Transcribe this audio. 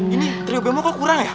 ini trio bemo kok kurang ya